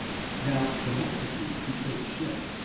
Now the multitude who take ship (v.